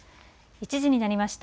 １時になりました。